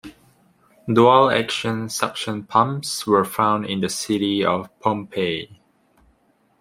Dual-action suction pumps were found in the city of Pompeii.